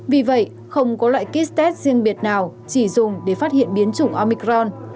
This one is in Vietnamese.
vì vậy không có loại kit test riêng biệt nào chỉ dùng để phát hiện biến chủng omicron